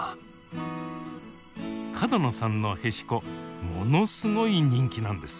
角野さんのへしこものすごい人気なんです。